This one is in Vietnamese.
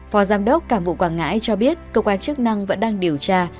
phó giám đốc cảng vụ quảng ngãi cho biết cơ quan chức năng vẫn đang điều tra